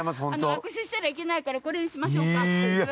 握手したらいけないからこれにしましょうか。